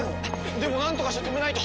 でもなんとかして止めないと！